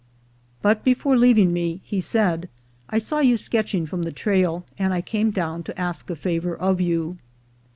But before leaving me he said, "I saw you sketching from the trail, and I came down to ask a favor of you."